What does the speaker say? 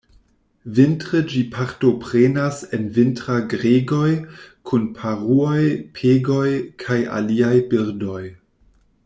Vintre ĝi partoprenas en vintra-gregoj kun paruoj, pegoj, kaj aliaj birdoj.